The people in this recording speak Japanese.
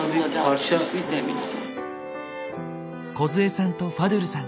梢さんとファドゥルさん